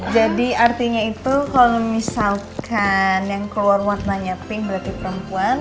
jadi arti nya itu kalau misal kan yg keluar warnanya pink berati perempuan